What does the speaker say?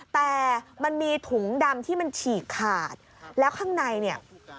แต่มันมีถุงดำที่มันฉีกขาดแล้วข้างในเนี่ย